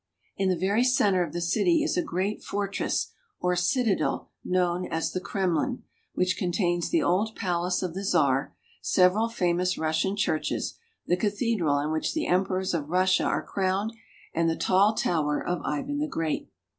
In the very center of the city is a great fortress or citadel known as the Kremlin, which contains the old palace of the Czar, several famous Russian churches, the cathedral in which the emperors of Russia are crowned, and the tall tower of Ivan the Great.